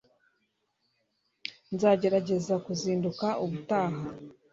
nzagerageza kuzinduka ubutaha